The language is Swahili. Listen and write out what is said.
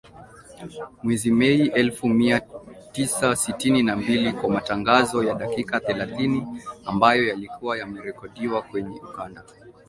Mwezi Mei elfu mia tisa sitini na mbili kwa matangazo ya dakika thelathini ambayo yalikuwa yamerekodiwa kwenye ukanda